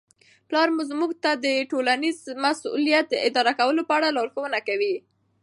پلار موږ ته د ټولنیز مسؤلیت د ادا کولو په اړه لارښوونه کوي.